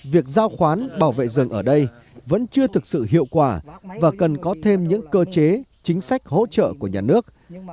việc giao khoán bảo vệ rừng ở đây vẫn chưa thực sự hiệu quả và cần có thêm những cơ chế chính sách hỗ trợ của nhà nước